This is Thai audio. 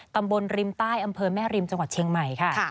ตำบลริมใต้อำเภอแม่ริมจังหวัดเชียงใหม่ค่ะ